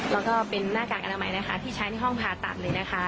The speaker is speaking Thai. แล้วก็เป็นหน้ากากอนามัยนะคะที่ใช้ในห้องผ่าตัดเลยนะคะ